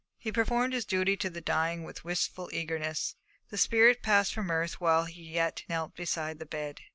He performed his duty to the dying with wistful eagerness. The spirit passed from earth while he yet knelt beside the bed.